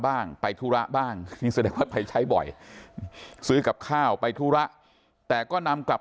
บ้างไปธุระบ้างไปใช้บ่อยซื้อกับข้าวไปธุระแต่ก็นำกลับ